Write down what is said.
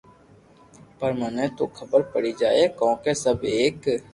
پر مني تو خبر پڙي جائين ڪونڪھ سب ايڪ